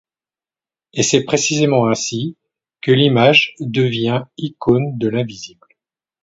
Et c’est précisément ainsi que l’image devient icône de l’invisible.